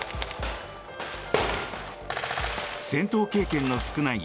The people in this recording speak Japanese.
戦闘経験の少ない